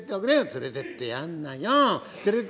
「連れてってやんなよ！」。